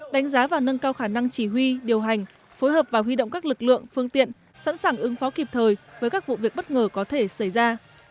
đánh giá và nâng cao khả năng chỉ huy điều hành phối hợp và huy động các lực lượng phương tiện sẵn sàng ứng phó kịp thời với các vụ việc bất ngờ có thể xảy ra